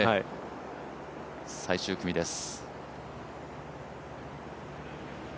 最終組です。